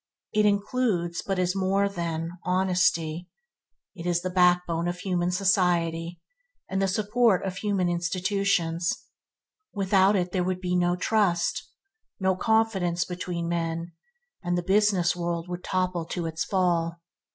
It includes, but is more than, honesty. It is the backbone of human society, and the support of human institutions. Without it there would be no trust, no confidence between men, and the business world would topple to its fall.